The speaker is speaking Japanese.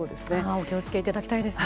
お気を付けいただきたいです。